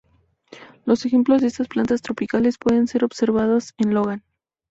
Los ejemplos de estas plantas tropicales pueden ser observados en Logan.